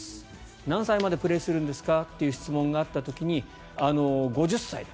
何歳までプレーするんですか？という質問があった時に５０歳。